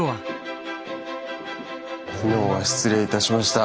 昨日は失礼いたしました。